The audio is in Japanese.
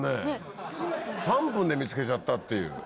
３分で見つけちゃったっていう。